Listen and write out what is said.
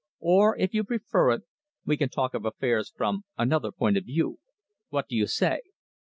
Or, if you prefer it, we can talk of affairs from another point of view. What do you say?"